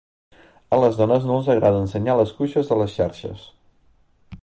A les dones no els agrada ensenyar les cuixes a les xarxes.